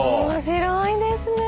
面白いですね！